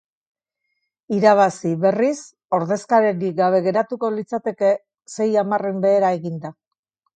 Irabazi, berriz, ordezkaririk gabe geratuko litzateke, sei hamarren behera eginda.